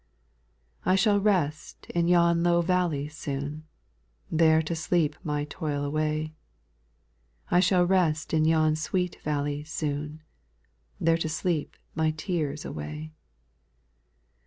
4. I shall rest in yon low valley soon. There to sleep my toil away ; I shall rest in yon sweet valley soon, There to sleep my tears away.